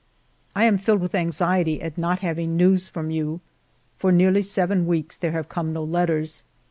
I am filled with anxiety at not having news from you. For nearly seven weeks there have come no letters.